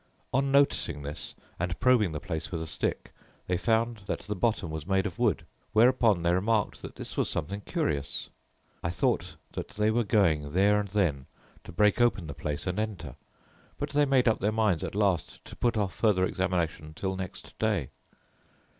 On noticing this and probing the place with a stick, they found that the bottom was made of wood, whereupon they remarked that this was something curious. I thought that they were going there and then to break open the place and enter, but they made up their minds at last to put off further examination till next day.